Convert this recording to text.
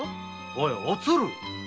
おいおつる！